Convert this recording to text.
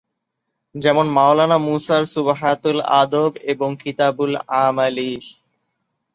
যেমন মওলানা মুসার সুব্হাতুল আদব ও কিতাবুল আমালীহ।